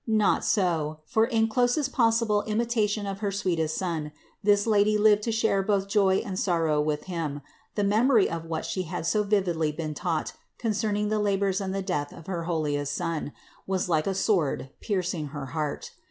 Not so, for in closest possible imi tation of her sweetest Son, this Lady lived to share both joy and sorrow with Him; the memory of what She had so vividly been taught concerning the labors and the death of her holiest Son, was like a sword piercing her heart.